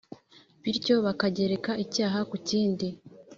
bityo bakagereka icyaha ku kindi.